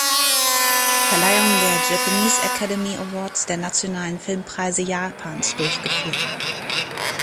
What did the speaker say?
Verleihung der Japanese Academy Awards, der nationalen Filmpreise Japans, durchgeführt.